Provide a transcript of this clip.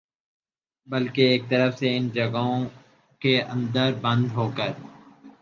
بلکہ ایک طرح سے ان جگہوں کے اندر بند ہوکر